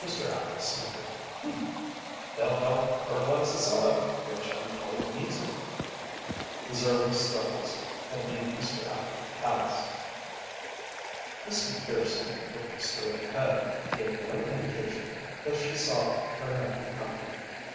Mr. Appel snickered: "They'll help fertilize the soil, which I'm told needs it." His early struggles had made Mr. Appel callous. Miss Macpherson, looking straight ahead, gave no indication that she saw her nephew coming.